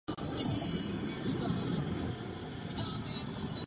Prokázali vůli.